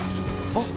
・あっ！！